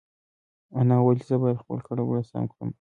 انا وویل چې زه باید خپل کړه وړه سم کړم.